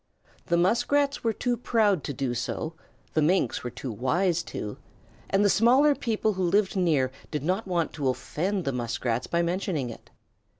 The Muskrats were too proud to do so, the Minks were too wise to, and the smaller people who lived near did not want to offend the Muskrats by mentioning it.